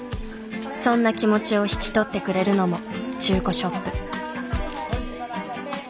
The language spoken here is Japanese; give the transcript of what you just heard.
そんな気持ちを引き取ってくれるのも中古ショップ。